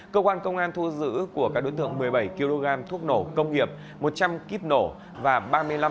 cơ quan công an thu giữ của các đối tượng một mươi bảy kg thuốc nổ công nghiệp một trăm linh kíp nổ và ba mươi năm m dây trái chậm